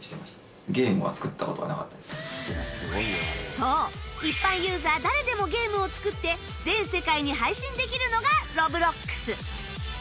そう一般ユーザー誰でもゲームを作って全世界に配信できるのが Ｒｏｂｌｏｘ